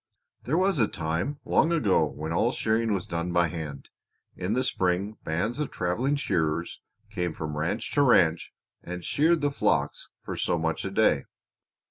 "There was a time long ago when all shearing was done by hand. In the spring bands of traveling shearers came from ranch to ranch and sheared the flocks for so much a day.